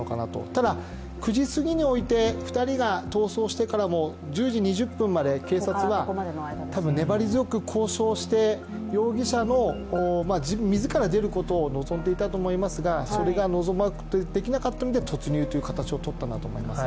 ただ、９時すぎにおいて２人が逃走してからも、１０時２０分まで、警察は粘り強く交渉して容疑者が自ら出ることを望んでいたと思いますが、それができなかったので突入という形をとったんだと思います。